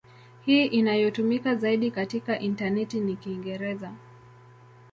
Hii inayotumika zaidi katika intaneti ni Kiingereza.